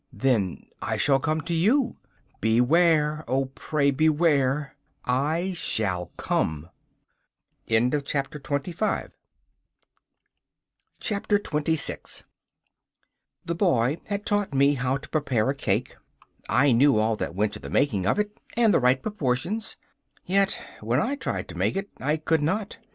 'Then I shall come to you.' 'Beware, oh pray, beware!' 'I shall come.' 26 The boy had taught me how to prepare a cake. I knew all that went to the making of it, and the right proportions, yet when I tried to make it I could not.